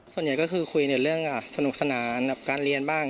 ส่วนใหญ่ก็คือคุยในเรื่องสนุกสนานกับการเรียนบ้าง